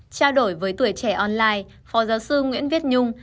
trao đổi với tuổi trẻ online phó giáo sư nguyễn viết nhung